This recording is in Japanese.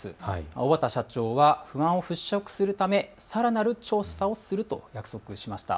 小幡社長は不安を払拭するためさらなる調査をすると約束しました。